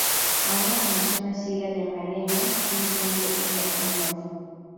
A una función así la llamaremos función de Liapunov.